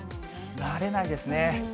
慣れないですね。